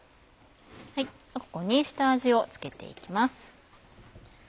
ここに下味を付けていきます。